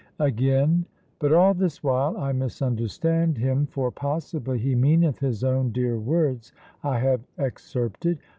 Again: "But all this while I misunderstand him, for possibly he meaneth his own dear words I have excerpted.